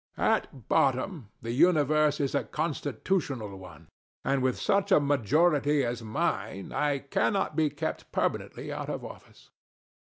At bottom the universe is a constitutional one; and with such a majority as mine I cannot be kept permanently out of office.